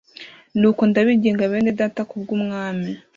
nuko ndabinginga bene data ku bw’umwami